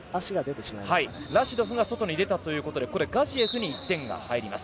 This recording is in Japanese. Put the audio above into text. ラシドフが外に出たということでこれでガジエフに１点が入ります。